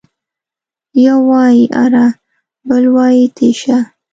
يو وايي اره ، بل وايي تېشه.